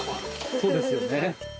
そうですよね。